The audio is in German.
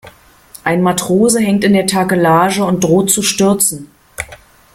Ein Matrose hängt in der Takelage und droht zu stürzen.